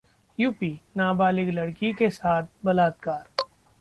UP नाबालिग लड़की के साथ बलात्कार